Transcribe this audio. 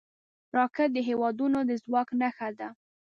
راکټ د هیوادونو د ځواک نښه ده